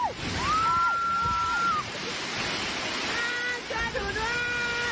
เตรียมหมดแล้ว